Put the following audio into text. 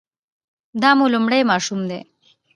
دا مو لومړی ماشوم دی؟